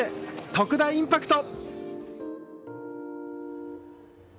特大インパクト！